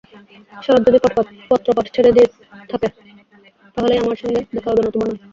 শরৎ যদি পত্রপাঠ ছেড়ে থাকে তাহলেই আমার সঙ্গে দেখা হবে, নতুবা নয়।